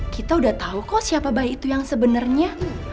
kita udah tau kok siapa bayi itu yang sebenernya